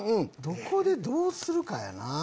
「どこでどうするか」やな。